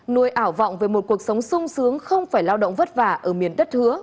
nuôi ảo vọng về một cuộc sống sung sướng không phải lao động vất vả ở miền đất hứa